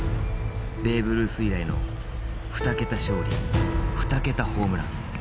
ベーブ・ルース以来の２桁勝利２桁ホームラン。